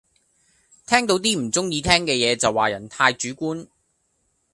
聽到啲唔鐘意聽嘅野就話人太主觀